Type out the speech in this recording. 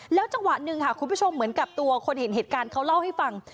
จังหวะหนึ่งค่ะคุณผู้ชมเหมือนกับตัวคนเห็นเหตุการณ์เขาเล่าให้ฟัง